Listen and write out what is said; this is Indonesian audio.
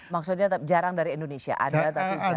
maksudnya jarang dari indonesia ada atau jarang